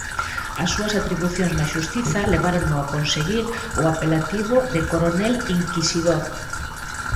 As súas atribucións na xustiza levárono a conseguir o apelativo de "coronel inquisidor".